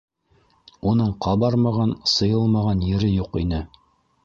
Уның ҡабармаған, сыйылмаған ере юҡ ине.